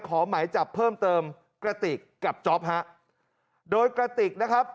ขอหมายจับเพิ่มเติมกระติกกับจ๊อปฮะโดยกระติกนะครับ